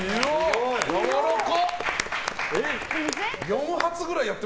やわらかっ！